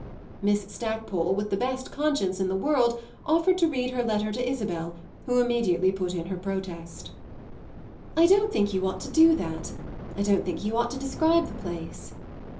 Miss Stackpole, with the best conscience in the world, offered to read her letter to Isabel, who immediately put in her protest. "I don't think you ought to do that. I don't think you ought to describe the place."